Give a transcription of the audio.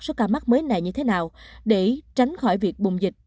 số ca mắc mới này như thế nào để tránh khỏi việc bùng dịch